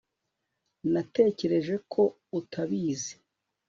natekereje ko utabizi